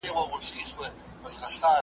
ځینې خلک کانګې کوي.